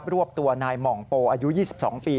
วบตัวนายหม่องโปอายุ๒๒ปี